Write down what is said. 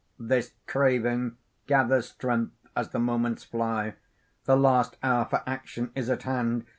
This craving gathers strength as the moments fly. The last hour for action is at hand.